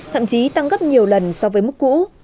thậm chí tăng gấp nhiều lần so với mức cũ